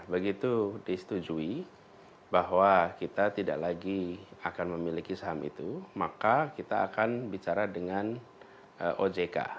begitu disetujui bahwa kita tidak lagi akan memiliki saham itu maka kita akan bicara dengan ojk